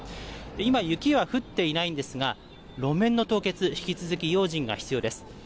今、雪は降っていないんですが、路面の凍結、引き続き用心が必要です。